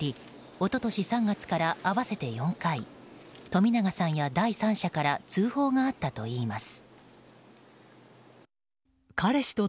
一昨年３月から合わせて４回冨永さんや第三者から通報があったといいます。